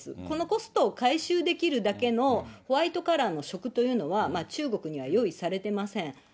このコストを回収できるだけのホワイトカラーの職というのは、中国には用意されてません。